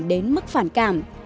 đến mức phản cảm